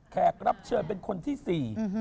แขกรับเชิญเป็นคนที่สี่